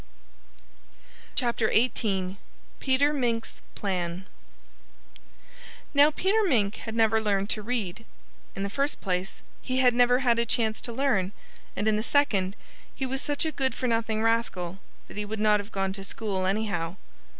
XVIII PETER MINK'S PLAN Now Peter Mink had never learned to read. In the first place, he had never had a chance to learn. And in the second, he was such a good for nothing rascal that he wouldn't have gone to school anyhow.